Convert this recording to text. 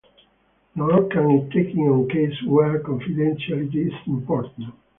Nor can it take on cases where confidentiality is important.